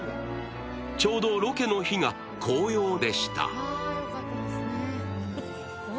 ちょうどロケの日が紅葉でした。